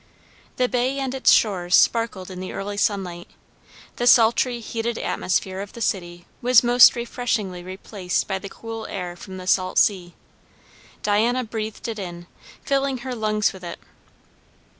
The bay and its shores sparkled in the early sunlight; the sultry, heated atmosphere of the city was most refreshingly replaced by the cool air from the salt sea. Diana breathed it in, filling her lungs with it.